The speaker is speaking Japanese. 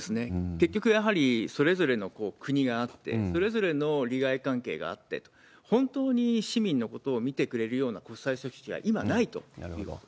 結局、やはりそれぞれの国があって、それぞれの利害関係があってと、本当に市民のことを見てくれるような国際組織は今ないということです。